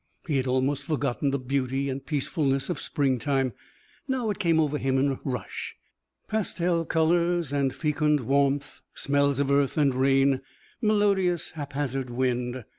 He had almost forgotten the beauty and peacefulness of springtime; now it came over him with a rush pastel colours and fecund warmth, smells of earth and rain, melodious, haphazard wind.